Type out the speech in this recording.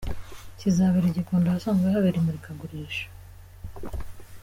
Kizabera : Gikondo ahasanzwe habera imurikagurisha.